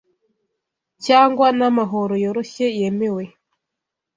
Cyangwa n'amahoro yoroshye yemewe